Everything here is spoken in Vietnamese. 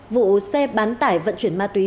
vụ xe bán tải vận chuyển ma túy